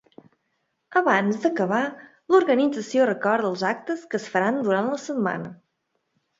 Abans d’acabar, l’organització recorda els actes que es faran durant la setmana.